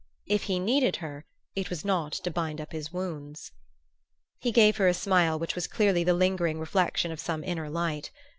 If he needed her, it was not to bind up his wounds. He gave her a smile which was clearly the lingering reflection of some inner light.